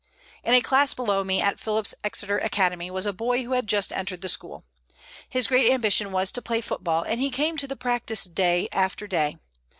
In a class below me at Phillips Exeter Academy was a boy who had just entered the school. His great ambition was to play football, and he came to the practise day after day.